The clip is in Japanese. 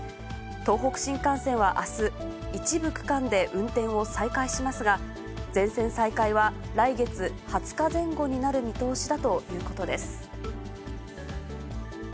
東北新幹線はあす、一部区間で運転を再開しますが、全線再開は来月２０日前後になる見通しだということです。